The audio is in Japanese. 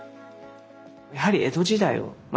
やはり江戸時代まあ